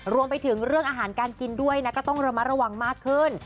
รวมไปถึงเรื่องอาหารการกินด้วยนะก็ต้องระมัดระวังมากขึ้น